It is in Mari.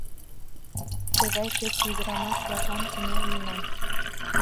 Тугай кече ӱдырамаш-влаклан... кынел, менам!..